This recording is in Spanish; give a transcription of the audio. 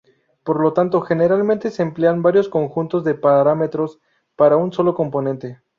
Por lo tanto generalmente se emplean varios conjuntos de parámetros para un solo componente.